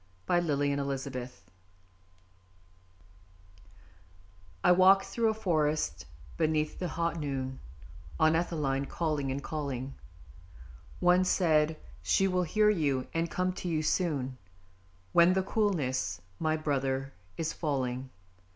Amongst the Roses I walked through a Forest, beneath the hot noon, On Etheline calling and calling! One said: "She will hear you and come to you soon, When the coolness, my brother, is falling."